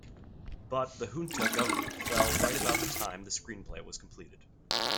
But the "junta" government fell right about the time the screenplay was completed.